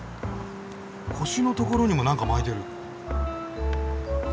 腰のところにもなんか巻いてる。